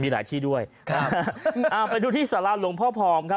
มีหลายที่ด้วยอ่าไปดูที่สาราหลวงพ่อผอมครับ